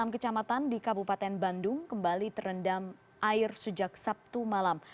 enam kecamatan di kabupaten bandung kembali terendam air sejak sabtu malam